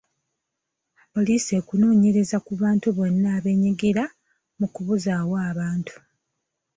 Poliisi ekunoonyereza ku bantu bonna abeenyigira mu kubuzaawo abantu.